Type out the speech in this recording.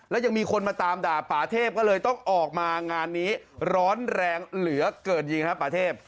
แล้วยังมีคนมาตามด่าป่าเทพก็เลยต้องออกมางานนี้ร้อนแรงเหลือเกินยิงครับป่าเทพ